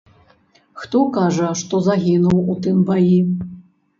Хто кажа, што загінуў у тым баі.